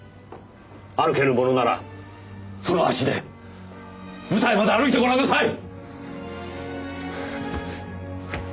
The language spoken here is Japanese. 歩けるものならその足で舞台まで歩いてご覧なさい！